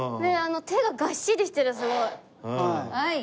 手ががっしりしてるすごい。